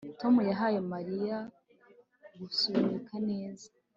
Tom yahaye Mariya gusunika neza